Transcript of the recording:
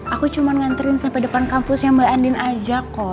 aku cuma nganterin sampai depan kampusnya mbak andin aja kok